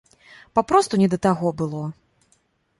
Папросту не да таго было.